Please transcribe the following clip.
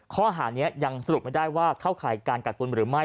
ข้อหานี้ยังสรุปไม่ได้ว่าเข้าข่ายการกัดกุลหรือไม่